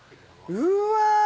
うわ。